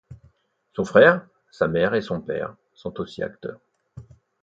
Son frère, sa mère et son père sont aussi acteurs.